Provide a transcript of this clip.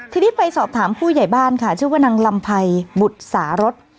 ทีนี้ไปสอบถามผู้ใหญ่บ้านค่ะชื่อว่านางลำไพบบุตรสารส